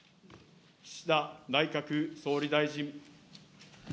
岸田内閣総理大臣。